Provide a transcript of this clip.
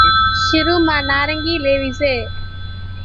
شرو مان نارينگي ليوي سي